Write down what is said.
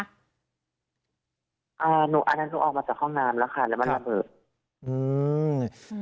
อันนั้นหนูออกมาจากห้องน้ำแล้วค่ะแล้วมันระเบิดอืม